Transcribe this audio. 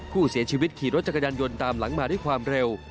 ผู้เสียชีวิตขี่รถจักรยานยนต์ตามหลังมาด้วยความเร็ว